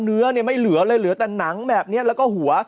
เนื้อไม่เหลือเลยเหลือแต่หนังแบบนี้แล้วก็หัว